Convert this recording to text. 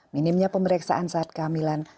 minimnya pemeriksaan saat kehamilan